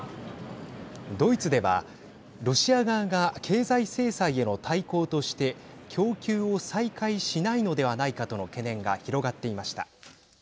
ドイツではロシア側が経済制裁への対抗として供給を再開しないのではないかとの懸念が広がっていました。